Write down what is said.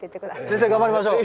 先生頑張りましょう。